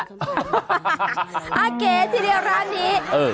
อ่าเกทีเดียวร้านนี้เออ